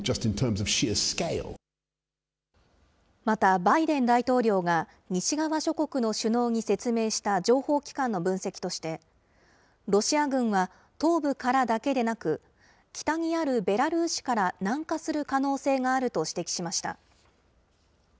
またバイデン大統領が、西側諸国の首脳に説明した情報機関の分析として、ロシア軍は東部からだけでなく、北にあるベラルーシから南下する可能性があると指摘しました。